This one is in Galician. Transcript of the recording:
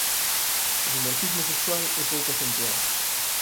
O dimorfismo sexual é pouco acentuado.